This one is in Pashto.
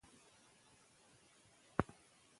اروپايي سوداګرو ته په ایران کې ډېر زیان ورسېد.